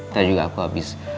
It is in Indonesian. tadi juga aku habis